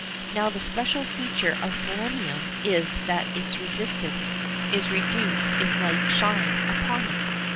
Now the special feature of selenium is that its resistance is reduced if light shine upon it.